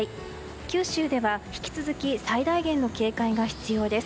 九州では、引き続き最大限の警戒が必要です。